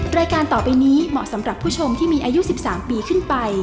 รายการต่อไปนี้เหมาะสำหรับผู้ชมที่มีอายุ๑๓ปีขึ้นไป